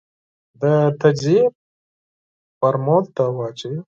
د تجزیې فورمول ته واچوې ،